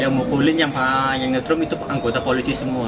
yang mau pulihnya yang ditrum itu anggota polisi semua